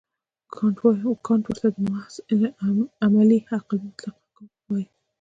کانټ ورته د محض عملي عقل مطلق حکم وايي.